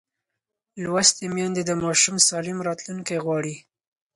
لوستې میندې د ماشوم سالم راتلونکی غواړي.